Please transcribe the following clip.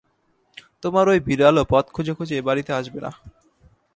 তোমার ঐ বিড়ালও পথ খুঁজে খুঁজে এ-বাড়িতে আসবে না।